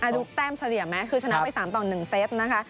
ดูแต้มเฉลี่ยไหมคือชนะไป๓ต่อ๑เซตนะคะ